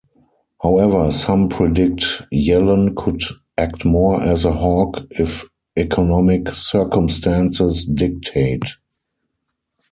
However, some predict Yellen could act more as a hawk if economic circumstances dictate.